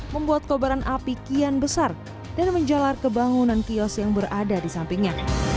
membuat kebaran api kian besar dan menjelar kebangunan kiosk yang berada di sampingnya